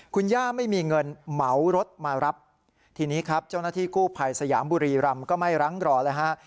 คุณย่าไม่มีเงินเหมารถมารับทีนี้ครับเจ้าหน้าที่กู้ภัยสยามบุรีรำก็ไม่รั้งรอเลยฮะ